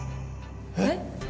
えっ？